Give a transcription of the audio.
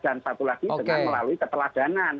dan satu lagi dengan melalui keteladanan